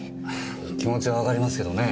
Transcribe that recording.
お気持ちはわかりますけどねぇ。